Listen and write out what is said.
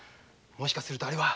もしかするとあれは。